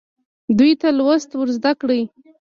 دوی ته لوست ورزده کړئ.